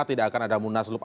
tidak akan ada munasulup